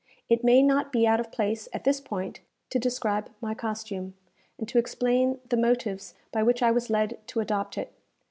It may not be out of place, at this point, to describe my costume, and to explain the motives by which I was led to adopt it.